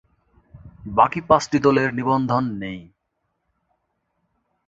বাকি পাঁচটি দলের নিবন্ধন নেই।